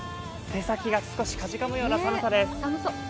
手先が少しかじかむような寒さです。